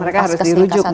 mereka harus di rujuk